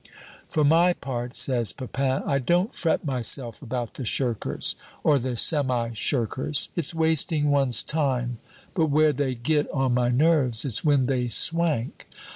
'" "For my part," says Pepin, "I don't fret myself about the shirkers or the semi shirkers, it's wasting one's time; but where they get on my nerves, it's when they swank.